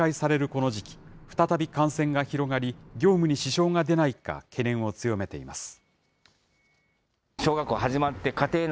この時期、再び感染が広がり、業務に支障が出ないか懸念を強めています。